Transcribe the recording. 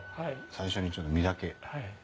最初にちょっと実だけ。